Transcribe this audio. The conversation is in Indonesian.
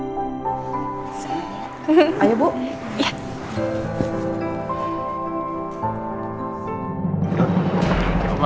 saat kesih ska ada minta